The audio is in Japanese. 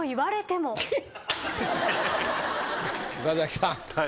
岡崎さん。